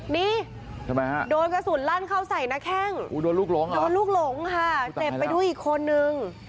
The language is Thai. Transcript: นี่โดนกระสุนลั่นเข้าใส่นะแค่งโดนลูกหลงค่ะเจ็บไปด้วยอีกคนนึง